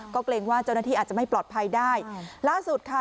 ก็เกรงว่าเจ้าหน้าที่อาจจะไม่ปลอดภัยได้ล่าสุดค่ะ